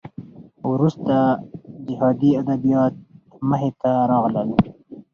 وروسته جهادي ادبیات مخې ته راغلل.